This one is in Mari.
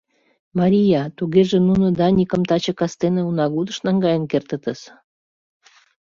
— Мария, тугеже нуно Даникым таче кастене унагудыш наҥгаен кертытыс.